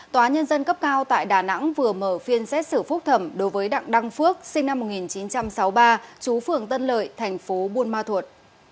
tòa nhân dân cấp cao tại đà nẵng vừa mở phiên xét xử phúc thẩm đối với đặng đăng phước sinh năm một nghìn chín trăm sáu mươi ba chú phường tân lợi thành phố buôn ma thuột